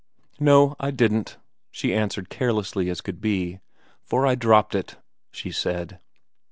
"No, I didn't," she answered carelessly as could be, "for I dropped it," she said.